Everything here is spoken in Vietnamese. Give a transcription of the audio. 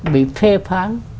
bị phê phán